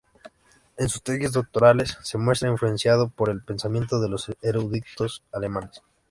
En sus tesis doctorales se muestra influenciado por el pensamiento de los eruditos alemanes.